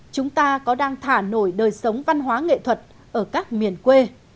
chúng ta có đang thả nổi đời sống văn hóa nghệ thuật ở các miền quê